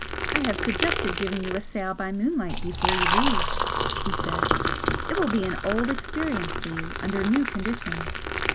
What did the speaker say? "I have suggested giving you a sail by moonlight before you leave," he said. "It will be an old experience for you under new conditions.